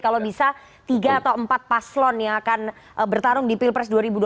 kalau bisa tiga atau empat paslon yang akan bertarung di pilpres dua ribu dua puluh